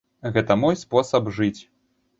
Гэта мой спосаб жыць.